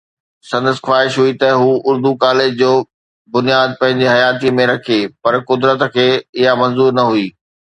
سندس خواهش هئي ته هو اردو ڪاليج جو بنياد پنهنجي حياتيءَ ۾ رکي، پر قدرت کي اها منظور نه هئي